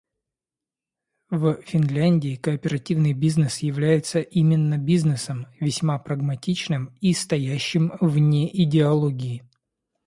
В Финляндии кооперативный бизнес является именно бизнесом — весьма прагматичным и стоящим вне идеологии.